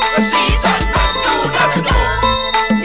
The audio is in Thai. คือเหยียดข้างรถและรถมหาสนุก